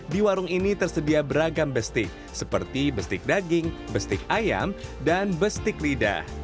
di warung ini tersedia beragam bestik seperti bestik daging bestik ayam dan bestik lidah